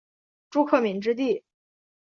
朱克敏之弟。